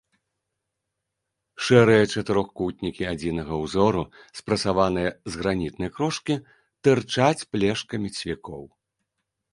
Шэрыя чатырохкутнікі адзінага ўзору, спрасаваныя з гранітнай крошкі, тырчаць плешкамі цвікоў.